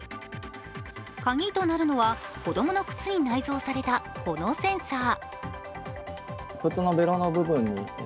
鍵となるのは子供の靴に内蔵されたこのセンサー。